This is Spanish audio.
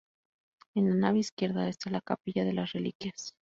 En la nave izquierda está la capilla de las Reliquias.